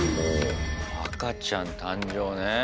赤ちゃん誕生ね。